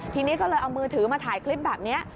ทีนี้ก็เลยเอามือถือมาถ่ายคลิปแบบนี้